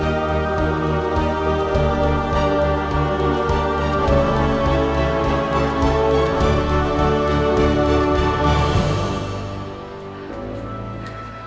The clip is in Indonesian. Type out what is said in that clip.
baik pak bos